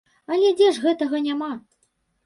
Але дзе ж гэтага няма?